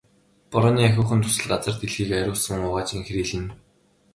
Борооны ариухан дусал газар дэлхийг ариусган угааж энхрийлнэ.